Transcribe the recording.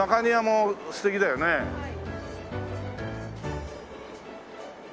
はい。